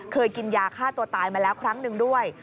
เคยกินยาฆ่าตัวตายมาแล้วครั้งหนึ่งด้วย